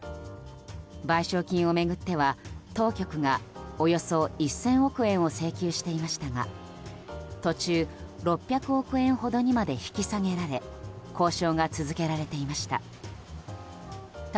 賠償金を巡っては、当局がおよそ１０００億円を請求していましたが途中、６００億円ほどにまで引き下げられ交渉が続けられていました。